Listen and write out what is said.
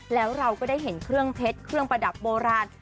แล้วเราก็ได้เห็นเครื่องเพชรเครื่องประดับโบราณ